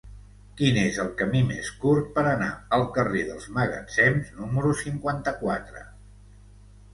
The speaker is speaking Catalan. Quin és el camí més curt per anar al carrer dels Magatzems número cinquanta-quatre?